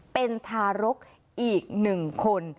เป็นทารกอีก๑คน